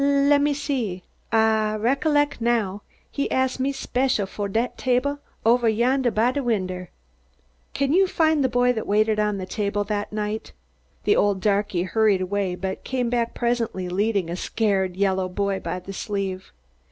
"Lemme see. Ah recollec' now, he ask me speshul fo' dat table ovah yondah by de winder." "Can you find the boy that waited on that table that night?" The old darky hurried away, but came back presently leading a scared yellow boy by the sleeve.